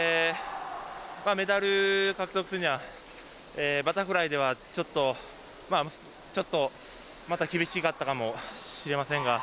メダル獲得するにはバタフライではちょっとちょっとまた厳しかったかもしれませんが。